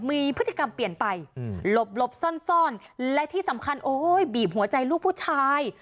มีพฤติกรรมเปลี่ยนไปหลบซ่อนและที่สำคัญโอ้ยบีบหัวใจลูกผู้ชาย